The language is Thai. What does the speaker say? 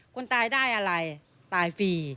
คนตายได้อะไรตายฟรี